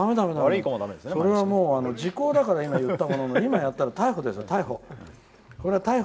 時効だから今言ったものの今やったら逮捕ですよ。